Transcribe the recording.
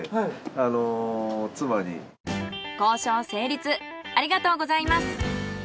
ありがとうございます。